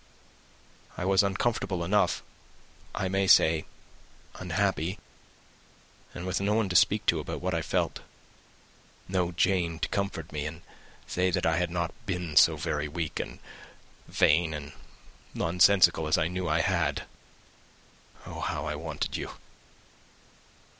I was uncomfortable enough, I was very uncomfortable I may say unhappy. And with no one to speak to of what I felt, no Jane to comfort me, and say that I had not been so very weak, and vain, and nonsensical, as I knew I had! Oh, how I wanted you!"